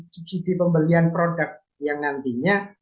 subsidi pembelian produk yang nantinya